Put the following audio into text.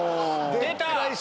出た。